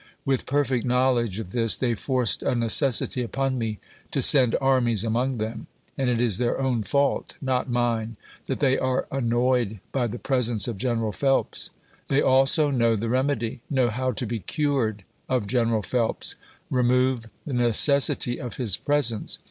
With per fect knowledge of this they forced a necessity upon me to send armies among them, and it is their own fault, not mine, that they are annoyed by the presence of Gen eral Phelps. They also know the remedy — know how to be cured of General Phelps. Remove the necessity of his presence.